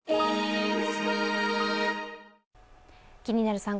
「気になる！